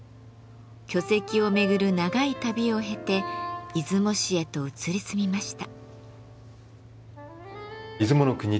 巨石を巡る長い旅を経て出雲市へと移り住みました。